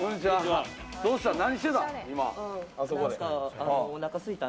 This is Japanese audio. どうしたの？